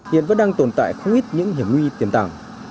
hiện vẫn đang tồn tại không ít những hiểm nguy tiền tảng